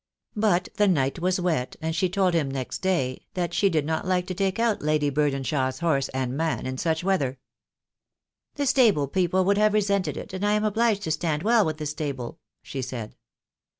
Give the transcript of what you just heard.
But the night was wet, and she told him next day that she did not like to take out Lady Burdenshaw's horse and man in such weather. "The stable people would have resented it, and I am obliged to stand well with the stable," she said.